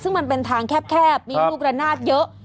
ซึ่งมันเป็นทางแคบมีลูกระนาดเยอะ